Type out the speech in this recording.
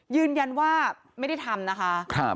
ยืนยันว่าไม่ได้ทำนะคะ